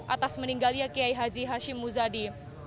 atas meninggalnya kiai haji hashim muzadi